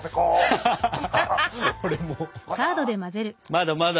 まだまだ。